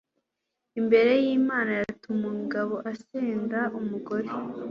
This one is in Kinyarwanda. imbere y'imana yatuma umugabo asenda umugore